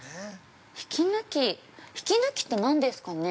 ◆息抜き息抜きって何ですかね。